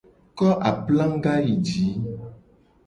Ko aplaga yi ji :